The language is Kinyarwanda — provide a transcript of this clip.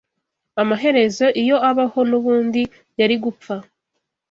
Amaherezo iyo abaho nubundi yari gupfa